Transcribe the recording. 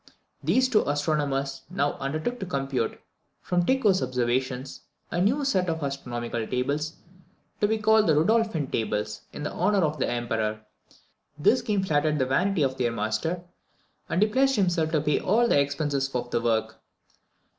These two astronomers now undertook to compute, from Tycho's observations, a new set of astronomical tables, to be called the Rudolphine Tables, in honour of the Emperor. This scheme flattered the vanity of their master, and he pledged himself to pay all the expenses of the work.